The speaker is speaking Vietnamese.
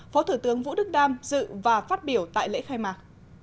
phó thủ tướng vũ đức đam dự và phát biểu tại lễ khai mạc